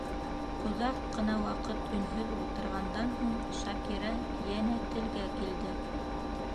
Оҙаҡ ҡына ваҡыт өнһөҙ ултырғандан һуң, Шакира йәнә телгә килде: